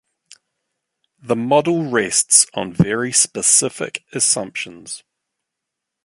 The model rests on very specific assumptions.